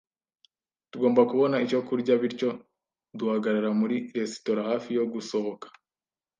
Tugomba kubona icyo kurya bityo duhagarara muri resitora hafi yo gusohoka.